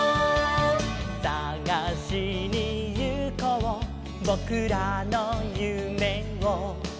「さがしにゆこうぼくらのゆめを」